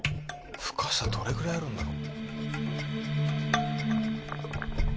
深さどれくらいあるんだろう？